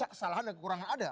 kesalahan yang kurang ada